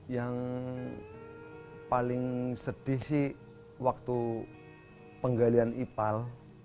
yang paling sedih sih waktu penggalian ipal